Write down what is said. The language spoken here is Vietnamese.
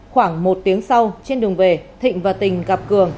khoảng một tiếng sau trên đường về thịnh và tình gặp cường